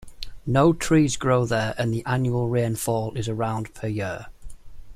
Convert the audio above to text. No trees grow there and the annual rainfall is around per year.